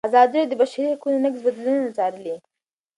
ازادي راډیو د د بشري حقونو نقض بدلونونه څارلي.